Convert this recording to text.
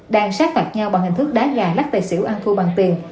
đang sát mặt nhau bằng hình thức đá gà lắc tài xỉu ăn thu bằng tiền